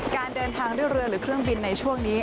การเดินทางด้วยเรือหรือเครื่องบินในช่วงนี้